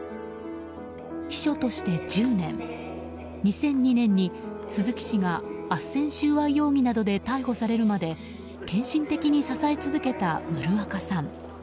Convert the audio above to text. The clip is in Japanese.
秘書として１０年２００２年に鈴木氏があっせん収賄容疑などで逮捕されるまで献身的に支え続けたムルアカさん。